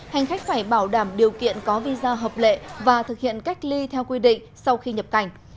hành khách phải bảo đảm điều kiện có visa hợp lệ và thực hiện cách ly theo quy định sau khi nhập cảnh